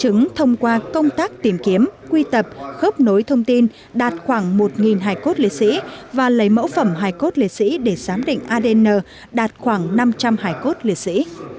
chứng thông qua công tác tìm kiếm quy tập khớp nối thông tin đạt khoảng một hài cốt liệt sĩ và lấy mẫu phẩm hải cốt lễ sĩ để giám định adn đạt khoảng năm trăm linh hải cốt liệt sĩ